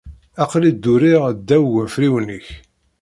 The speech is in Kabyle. Aql-i dduriɣ ddaw wafriwen-ik.